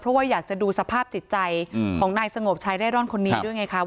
เพราะว่าอยากจะดูสภาพจิตใจของนายสงบชายเร่ร่อนคนนี้ด้วยไงคะ